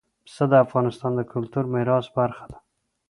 پسه د افغانستان د کلتوري میراث برخه ده.